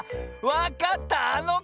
わかったあのこだ！